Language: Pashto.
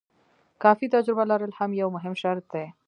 کافي تجربه لرل هم یو مهم شرط دی.